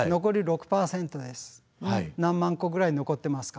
何万戸ぐらい残ってますか？